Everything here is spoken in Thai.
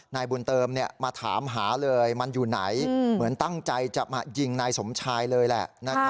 นายบุญเติมมาถามหาเลยมันอยู่ไหนเหมือนตั้งใจจะมายิงนายสมชายเลยแหละ